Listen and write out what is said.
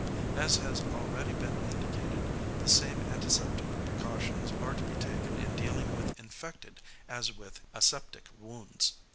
# As has already been indicated, the same antiseptic precautions are to be taken in dealing with infected as with aseptic wounds.